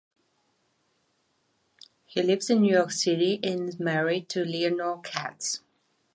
He lives in New York City and is married to Eleanor Katz.